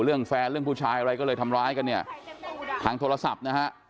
เรื่องแฟนเรื่องผู้ชายอะไรก็เลยทำร้ายกันเนี่ยทางโทรศัพท์นะฮะ